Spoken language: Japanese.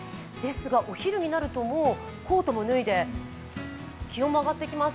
お昼になると、もうコートも脱いで気温も上がってきます。